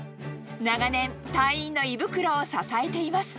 長年、隊員の胃袋を支えています。